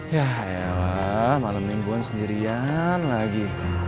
yah ayolah malem mingguan sendirian lagi